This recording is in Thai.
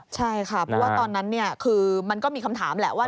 ใช่ค่ะเพราะว่าตอนนั้นคือมันก็มีคำถามแหละว่า